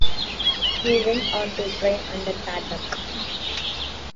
He went on to train under Pat Buck.